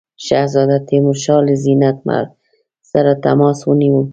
شهزاده تیمورشاه له زینت محل سره تماس ونیو.